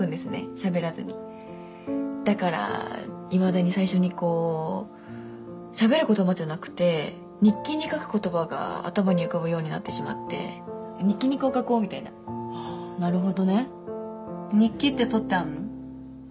しゃべらずにだからいまだに最初にこうしゃべる言葉じゃなくて日記に書く言葉が頭に浮かぶようになってしまって日記にこう書こうみたいなあっなるほどね日記って取ってあんの？